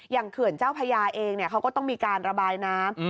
เขื่อนเจ้าพญาเองเขาก็ต้องมีการระบายน้ำ